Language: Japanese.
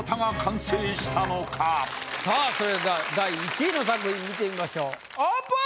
さぁそれでは第１位の作品見てみましょうオープン！